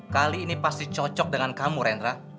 kali ini pasti cocok dengan kamu rendra